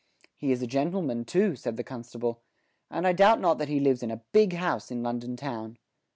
"He is a gentleman too," said the constable, "and I doubt not that he lives in a big house in London town."